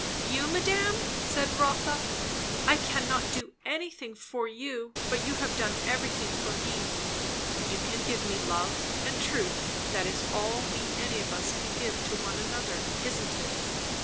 "You, madame?" said Rotha. "I cannot do anything for you; but you have done everything for me." "You can give me love and truth that is all we any of us can give to one another, isn't it?